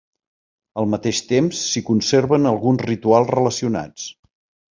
Al mateix temps s'hi conserven alguns rituals relacionats.